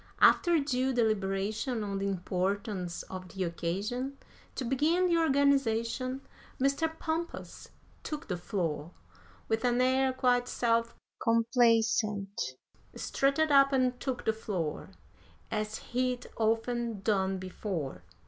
After due deliberation on the importance of the occasion, To begin the organization, Mr. Pompous took the floor With an air quite self complacent, strutted up and took the floor, As he'd often done before!